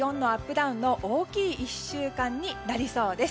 ダウンの大きい１週間になりそうです。